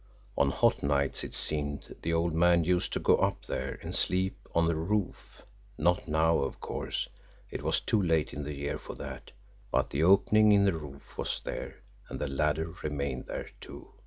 On hot nights, it seemed, the old man used to go up there and sleep on the roof not now, of course. It was too late in the year for that but the opening in the roof was there, and the ladder remained there, too.